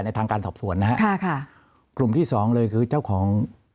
ทางการสอบสวนนะฮะค่ะค่ะกลุ่มที่สองเลยคือเจ้าของ